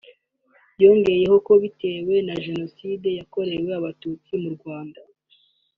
yongeyeho ko bitewe na Jenoside yakorewe Abatutsi mu Rwanda